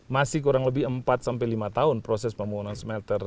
masih kurang lebih empat sampai lima tahun proses pembangunan smelter